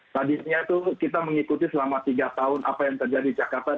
tadinya itu kita mengikuti selama tiga tahun apa yang terjadi di jakarta